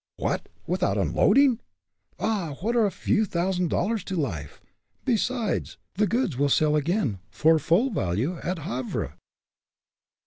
"What! without unloading?" "Bah! what are a few thousand dollars to life? Besides, the goods will sell again, for full value, at Havre."